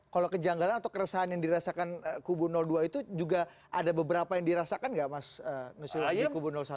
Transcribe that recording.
kalau kejanggalan atau keresahan yang dirasakan kubu dua itu juga ada beberapa yang dirasakan nggak mas nusrolayi kubu satu